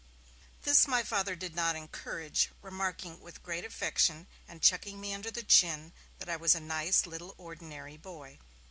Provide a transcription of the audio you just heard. This my Father did not encourage, remarking, with great affection, and chucking me under the chin, that I was 'a nice little ordinary boy'.